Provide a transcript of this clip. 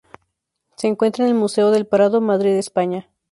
Se encuentra en el Museo del Prado, Madrid, España.